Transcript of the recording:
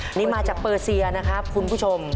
อันนี้มาจากเปอร์เซียนะครับคุณผู้ชม